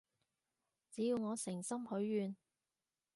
只要我誠心許願